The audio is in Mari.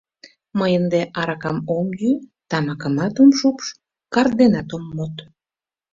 Мый ынде аракам ом йӱ, тамакымат ом шупш, карт денат ом мод.